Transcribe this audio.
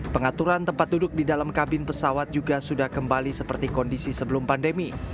pengaturan tempat duduk di dalam kabin pesawat juga sudah kembali seperti kondisi sebelum pandemi